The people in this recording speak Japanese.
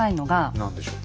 何でしょう？